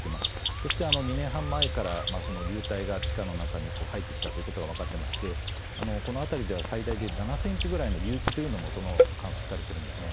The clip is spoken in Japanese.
そして２年半前から、流体が地下の中に入ってきたということが分かっていまして、この辺りでは、最大で７センチぐらいの隆起というのも観測されてるんですね。